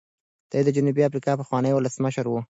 دی د جنوبي افریقا پخوانی ولسمشر و.